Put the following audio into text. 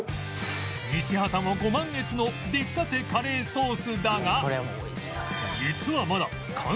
西畑もご満悦の出来たてカレーソースだが